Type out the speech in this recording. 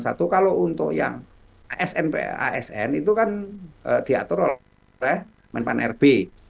satu kalau untuk yang asn itu kan diatur oleh men pan r b